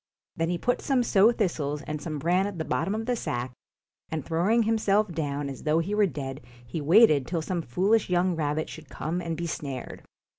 Then he put some sow thistles and some bran at the bottom of the sack, and throwing" himself down as though he were dead, he waited till some foolish young rabbit should come and be snared.